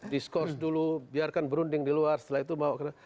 diskurs dulu biarkan berunding di luar setelah itu mau ke